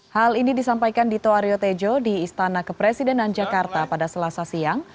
hal ini disampaikan dito aryo tejo di istana kepresidenan jakarta pada selasa siang